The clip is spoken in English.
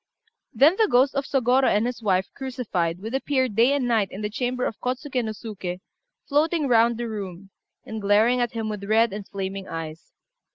Then the ghost of Sôgorô and his wife crucified would appear day and night in the chamber of Kôtsuké no Suké, floating round the room, and glaring at him with red and flaming eyes.